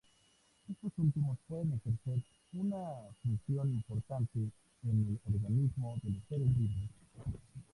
Estos últimos pueden ejercer una función importante en el organismo de los seres vivos.